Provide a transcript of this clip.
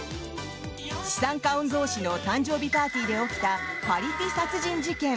資産家御曹司の誕生日パーティーで起きたパリピ殺人事件。